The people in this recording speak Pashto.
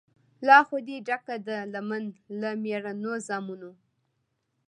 لا خو دي ډکه ده لمن له مېړنو زامنو